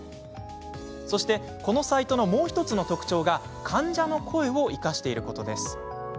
そしてこのサイトのもう１つの特徴が患者の声を生かしていること。